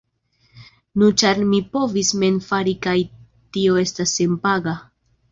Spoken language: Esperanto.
Nu, ĉar mi povis mem fari kaj tio estas senpaga.